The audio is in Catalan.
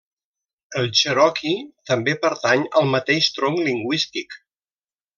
El cherokee també pertany al mateix tronc lingüístic.